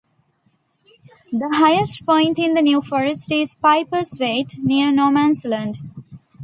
The highest point in the New Forest is Pipers Wait, near Nomansland.